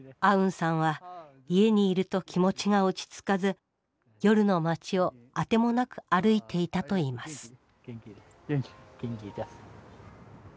アウンさんは家にいると気持ちが落ち着かず夜の街を当てもなく歩いていたといいます。